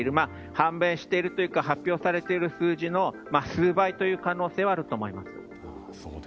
判明しているというか発表されている数字の数倍という可能性はあると思います。